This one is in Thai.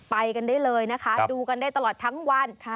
ไปกันได้เลยนะคะดูกันได้ตลอดทั้งวัน